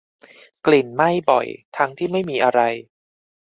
กลิ่นไหม้บ่อยทั้งที่ไม่มีอะไร